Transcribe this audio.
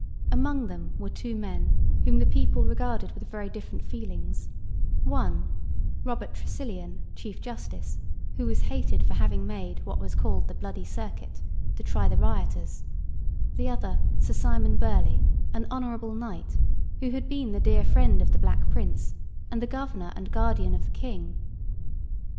Among them were two men whom the people regarded with very different feelings; one, Robert Tresilian, Chief Justice, who was hated for having made what was called 'the bloody circuit' to try the rioters; the other, Sir Simon Burley, an honourable knight, who had been the dear friend of the Black Prince, and the governor and guardian of the King.